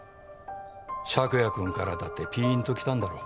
朔也君からだってピンときたんだろう